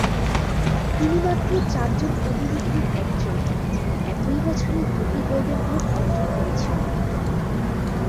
তিনি মাত্র চারজন অভিনেত্রীর একজন, যিনি একই বছর দুটি গোল্ডেন গ্লোব অর্জন করেছেন।